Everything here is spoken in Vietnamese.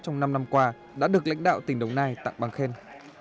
trong năm năm qua đã được lãnh đạo tỉnh đồng nai tặng bằng khen